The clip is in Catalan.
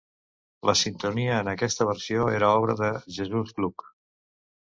La sintonia en aquesta versió era obra de Jesús Gluck.